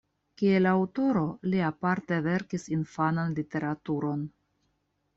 Kiel aŭtoro li aparte verkis infanan literaturon.